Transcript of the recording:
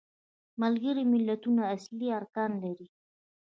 ملګري ملتونه اصلي ارکان لري.